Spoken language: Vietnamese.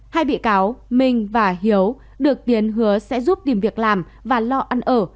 hai bị cáo minh và hiếu được tiến hứa sẽ giúp tìm việc làm và lo ăn ở